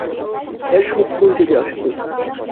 এসব কই থেকে আসল?